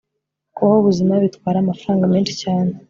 Kubaho ubuzima bitwara amafaranga menshi cyane